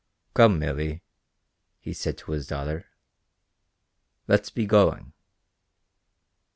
"Come, Milly," he said to his daughter, "let's be going."